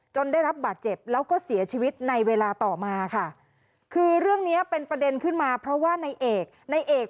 ได้รับบาดเจ็บแล้วก็เสียชีวิตในเวลาต่อมาค่ะคือเรื่องเนี้ยเป็นประเด็นขึ้นมาเพราะว่าในเอกในเอก